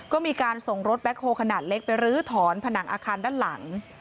ก็มีการส่งรถแบ็คโฮลขนาดเล็กไปรื้อถอนผนังอาคารด้านหลัง